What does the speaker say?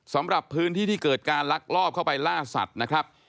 สำหรับพื้นที่ที่เกิดการลักลอบเข้าไปล่าสัตว์นะครับ